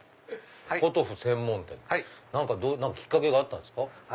ポトフ専門店何かきっかけがあったんですか？